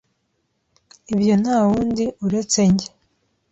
ibyonta wundi uretse njye